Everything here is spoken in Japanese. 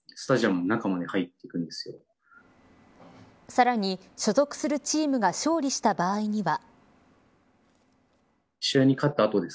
さらに所属するチームが勝利した場合には。